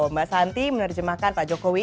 mbak santi menerjemahkan pak jokowi